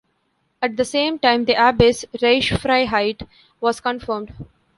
At the same time the abbey's "reichsfreiheit" was confirmed.